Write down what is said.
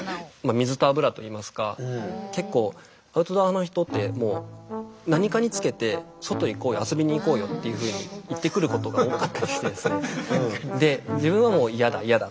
水と油といいますか結構アウトドアの人ってもう遊びに行こうよっていうふうに言ってくることが多かったりしてですねで自分はもう嫌だ嫌だ